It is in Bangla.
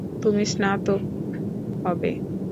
তুমি স্নাতক হবে।